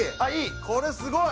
これはすごい！